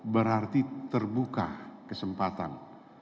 berarti terbuka kesempatan